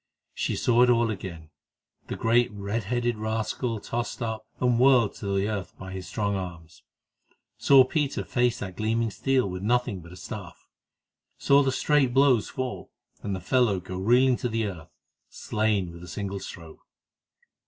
She saw it all again; the great red headed rascal tossed up and whirled to the earth by his strong arms; saw Peter face that gleaming steel with nothing but a staff; saw the straight blows fall, and the fellow go reeling to the earth, slain with a single stroke.